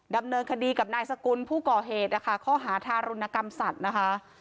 ดำเนินคดีกับนายสกุลผู้ก่อเหตุนะคะข้อหาทารุณกรรมสัตว์นะคะ